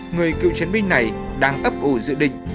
người cựu chiến binh này đang ấp ủi dự định